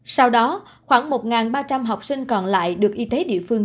sau đó khoảng một ba trăm linh học sinh còn lại được y tế địa phương